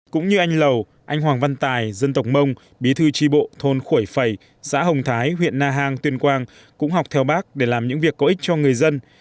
cũng như anh lầu anh hoàng văn tài dân tộc mông bí thư tri bộ thôn khuổi phầy xã hồng thái huyện na hàng tuyên quang cũng học theo bác để làm những việc có ích cho người dân